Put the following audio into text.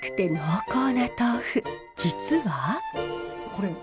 実は。